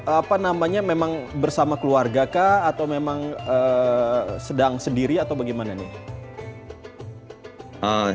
apa namanya memang bersama keluarga kah atau memang sedang sendiri atau bagaimana nih